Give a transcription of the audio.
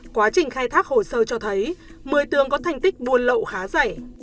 quá trình khai thác hồ sơ cho thấy mười tường có thành tích buôn lậu khá rẻ